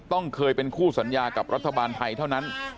ต้องเคยเป็นคู่สัญญากับรัฐบาลไทยเท่านั้น